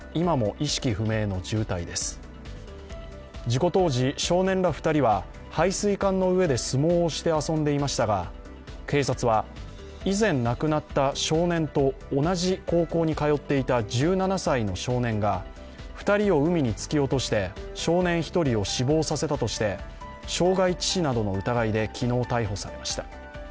事故当時、少年ら２人は排水管の上で相撲をして遊んでいましたが警察は、以前、亡くなった少年と同じ高校に通っていた１７歳の少年が２人を海に突き落として、少年１人を死亡させたとして傷害致死などの疑いで昨日、逮捕しました。